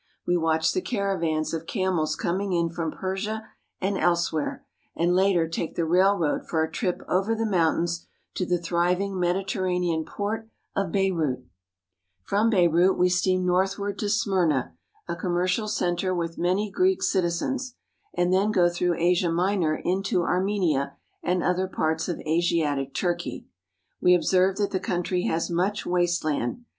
We watch the caravans of camels coming in from Persia and elsewhere, and later take the railroad for a trip over the mountains to the thriving Mediterranean port of Beirut (ba'root'). TRAVELS AMONG THE TURKS 361 From Beirut we steam northward to Smyrna, a commer cial center with many Greek citizens, and then go through Asia Minor into Armenia and other parts of Asiatic Tur key. We observe that the country has much waste land.